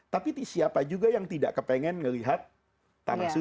tapi siapa juga yang tidak kepengen melihat tanah suci